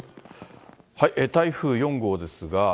台風４号ですが。